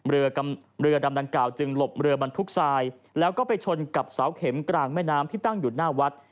เรือเรือดำดังกล่าจึงหลบเรือบรรทุกทรายแล้วก็ไปชนกับเสาเข็มกลางแม่น้ำที่ตั้งอยู่หน้าวัด